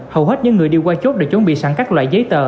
hầu hết những người đi qua chốt đều chuẩn bị sẵn các loại giấy tờ